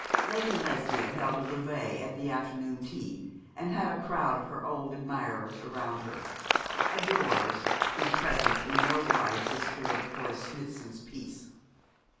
Lady Lesbia held a levée at the afternoon tea, and had a crowd of her old admirers around her adorers whose presence in no wise disturbed Horace Smithson's peace.